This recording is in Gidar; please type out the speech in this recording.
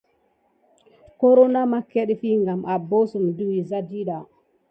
Koro makia ɗefi abosune de wuza ɗiɗa.